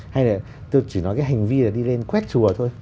hay là tôi chỉ nói cái hành vi là đi lên quét chùa thôi